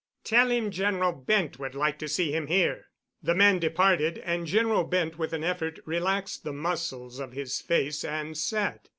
"Tell him General Bent would like to see him here." The man departed, and General Bent with an effort relaxed the muscles of his face and sat.